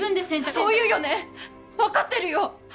そう言うよね分かってるよ